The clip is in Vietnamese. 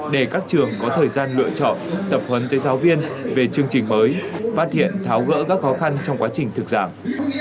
để các trường có thời gian lựa chọn tập huấn tới giáo viên về chương trình mới phát hiện tháo gỡ các khó khăn trong quá trình thực giảng